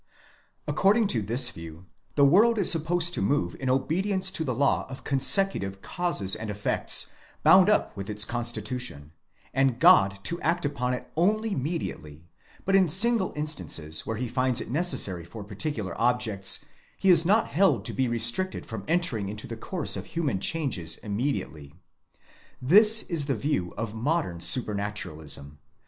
According to this view, the world is supposed to move in obedience to the law of consecutive causes and effects bound up with its con stitution, and God to act upon it only mediately: but in single instances, where he finds it necessary for particular objects, he is not held to be restricted from entering into the course of human 'changes immediately. 'This is the view of modern Supranaturalism